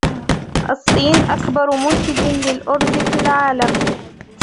الصين أكبر مُنتِج للأُرز في العالم.